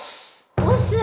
押忍！